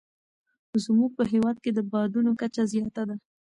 زموږ په هېواد کې د بادونو کچه زیاته ده.